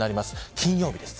金曜日です。